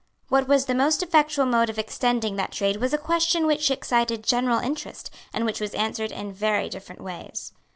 What was the most effectual mode of extending that trade was a question which excited general interest, and which was answered in very different ways.